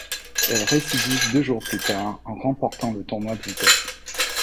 Elle récidive deux jours plus tard en remportant le tournoi de vitesse.